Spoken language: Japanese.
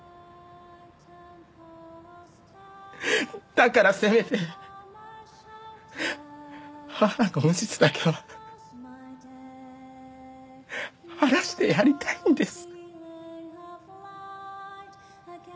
だからせめて母の無実だけは晴らしてやりたいんです。